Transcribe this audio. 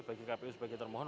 bagi kpu sebagai permohon